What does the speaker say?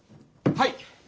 はい！